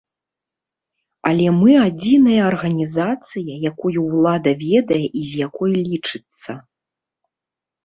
Але мы адзіная арганізацыя, якую ўлада ведае і з якой лічыцца.